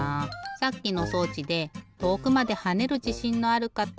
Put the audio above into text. さっきの装置で遠くまで跳ねるじしんのあるかた。